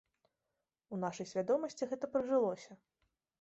У нашай свядомасці гэта прыжылося.